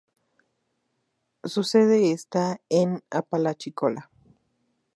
Su sede está en Apalachicola.